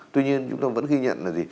tuy nhiên chúng tôi vẫn ghi nhận là